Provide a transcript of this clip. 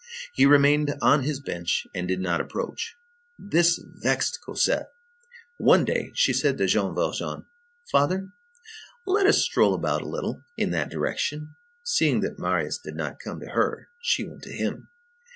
He remained on his bench and did not approach. This vexed Cosette. One day, she said to Jean Valjean: "Father, let us stroll about a little in that direction." Seeing that Marius did not come to her, she went to him.